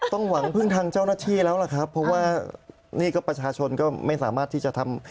หวังพึ่งทางเจ้าหน้าที่แล้วล่ะครับเพราะว่านี่ก็ประชาชนก็ไม่สามารถที่จะทำ